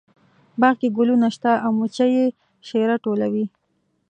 باغ کې ګلونه شته او مچۍ یې شیره ټولوي